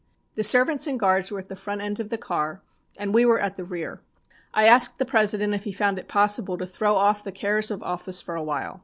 The servants and guards were at the front end of the car, and we were at the rear. "I asked the President if he found it possible to throw off the cares of office for a while.